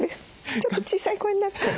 ちょっと小さい声になってる。